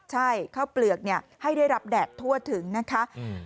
ใช่ข้าวเปลือกให้ได้รับแดดทั่วถึงนะคะ